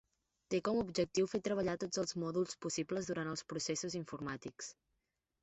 Té com a objectiu fer treballar tots els mòduls possibles durant els processos informàtics.